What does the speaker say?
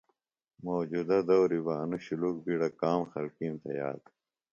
موجودہ دوری بہ انوۡ شُلوک بیڈہ کام خلکیم تھےۡ یاد